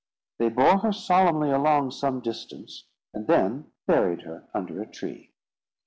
They bore her solemnly along some distance, and then buried her under a tree.